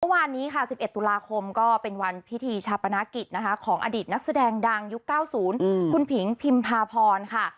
เมื่อวานนี้ค่ะ๑๑ตุลาคมก็เป็นวันพิธีชาปนากิจนะคะของอดีตนักแสดงดังยุค๙๐คุณผิงพิมพาพรค่ะ